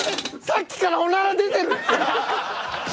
「さっきからオナラ出てる」